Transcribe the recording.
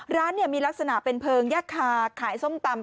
ร้านมีลักษณะเป็นเพลิงแยกคาขายส้มตำ